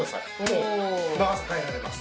もう長さ変えられます。